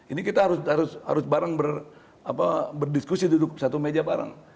ini kita harus bareng berdiskusi duduk satu meja bareng